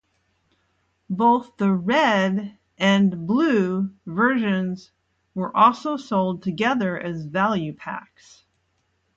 Both the "Red" and "Blue" versions were also sold together as value packs.